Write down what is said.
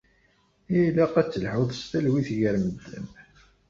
Ilaq ad telḥuḍ s talwit gar medden.